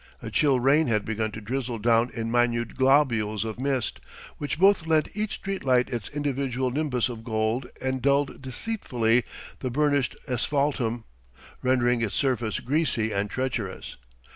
A chill rain had begun to drizzle down in minute globules of mist, which both lent each street light its individual nimbus of gold and dulled deceitfully the burnished asphaltum, rendering its surface greasy and treacherous.